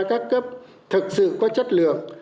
các cấp thực sự có chất lượng